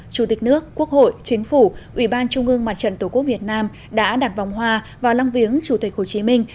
chủ tịch nước quốc hội chính phủ ủy ban trung ương mặt trận tổ quốc việt nam đã đặt vòng hoa vào lăng viếng chủ tịch hồ chí minh